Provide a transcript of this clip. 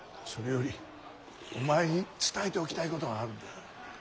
それよりお前に伝えておきたいことがあるんだ。